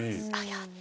やった。